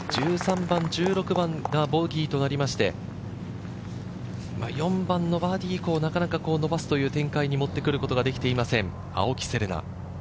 １３番、１６番がボギーとなりまして、４番のバーディー以降なかなか伸ばすという展開に持ってくることができていません、青木瀬令奈。